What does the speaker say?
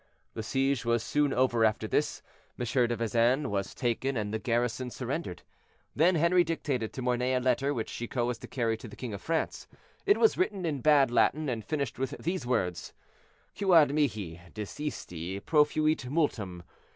The siege was soon over after this. M. de Vezin was taken, and the garrison surrendered. Then Henri dictated to Mornay a letter, which Chicot was to carry to the king of France. It was written in bad Latin, and finished with these words: "Quod mihi dixisti profuit multum.